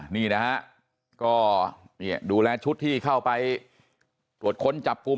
นี่นะฮะก็ดูแลชุดที่เข้าไปตรวจค้นจับกลุ่ม